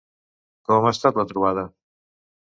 Com ha estat la trobada?